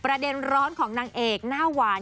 ประเด็นร้อนของนางเอกหน้าหวาน